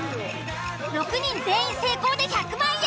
６人全員成功で１００万円。